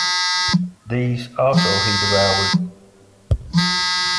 These also he devoured.